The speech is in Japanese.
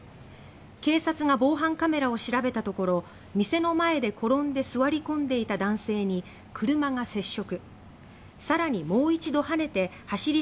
警察が防犯カメラを調べたところ店の前で転んで座り込んでいた男性に車が接触。